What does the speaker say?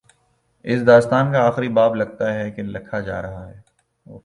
اس داستان کا آخری باب، لگتا ہے کہ لکھا جا رہا ہے۔